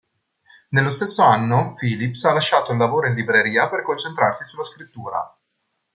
Nello stesso anno, Phillips ha lasciato il lavoro in libreria per concentrarsi sulla scrittura.